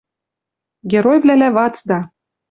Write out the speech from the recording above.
геройвлӓлӓ вацда.